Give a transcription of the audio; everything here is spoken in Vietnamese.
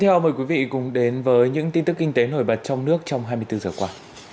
tiếp theo mời quý vị cùng đến với những tin tức kinh tế nổi bật trong nước trong hai mươi bốn giờ qua